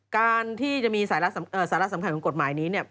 การที่จะมีสาระสำคัญของกฎหมายนี้เนี่ย